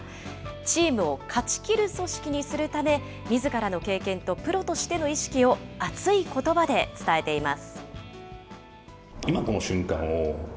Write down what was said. チームを勝ちきる組織にするため、みずからの経験とプロとしての意識を、熱いことばで伝えています。